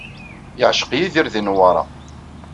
Yeɛceq Yidir di Newwara.